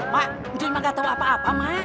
mak ujian mak gak tau apa apa mak